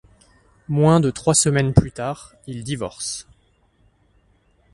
Moins de trois semaines plus tard, ils divorcent.